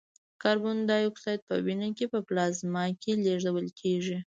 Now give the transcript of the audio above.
کاربن دای اکساید په وینه کې په پلازما کې لېږدول کېږي.